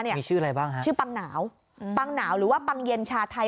มีชื่ออะไรบ้างชื่อปังหนาวหรือว่าปังเย็นชาไทย